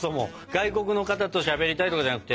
外国の方としゃべりたいとかじゃなくて。